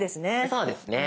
そうですね。